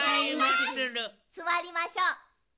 すわりましょう。